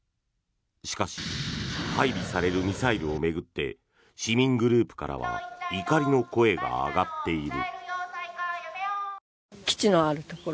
しかし、配備されるミサイルを巡って市民グループからは怒りの声が上がっている。